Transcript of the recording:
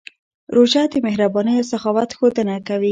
روژه د مهربانۍ او سخاوت ښودنه کوي.